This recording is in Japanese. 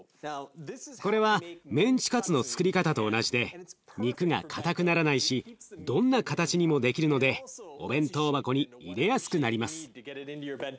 これはメンチカツのつくり方と同じで肉が硬くならないしどんな形にもできるのでお弁当箱に入れやすくなります。